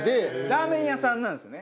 ラーメン屋さんなんですよね？